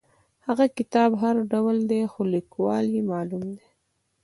هغه کتاب که هر ډول دی خو لیکوال یې معلوم دی.